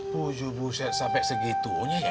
pujuh buset sampe segitu nya ya